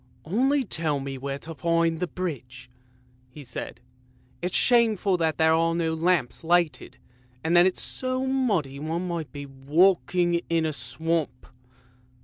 " Only tell me where to find the bridge," he said. " It's shameful that there are no lamps lighted, and then it's so muddy one might be walking in a swamp."